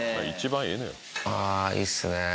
あぁいいっすね。